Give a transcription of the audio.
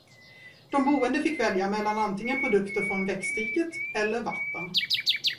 De boende fick välja mellan antingen produkter från växtriket eller vatten.